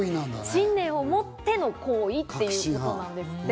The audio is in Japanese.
信念をもっての行為ということなんですって。